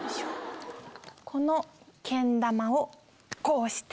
このけん玉をこうして。